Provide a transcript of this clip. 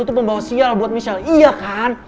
lu tuh pembawa sial buat michelle iya kan